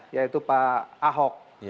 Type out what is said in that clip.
yaitu pak ahok